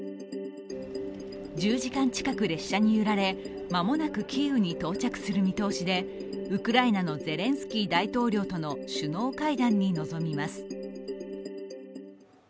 １０時間近く列車に揺られ、間もなくキーウに到着する見通しで、ウクライナのゼレンスキー大統領との首脳会談に臨みます。